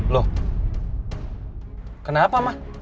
loh kenapa ma